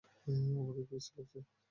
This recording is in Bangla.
আমাকে কি বিশ্রী লাগছে?